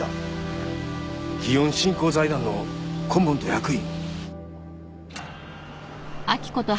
祇園振興財団の顧問と役員。